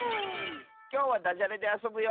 きょうはだじゃれであそぶよ！